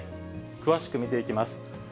詳しく見ていきます。